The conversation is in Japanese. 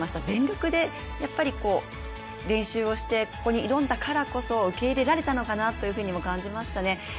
全力で練習をしてここに挑んだからこそ、受け入れられたのかなと感じましたね。